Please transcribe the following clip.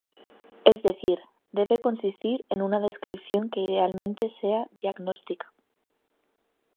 Es decir debe consistir en una descripción que idealmente sea "diagnóstica".